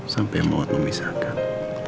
sampai maut memisahkan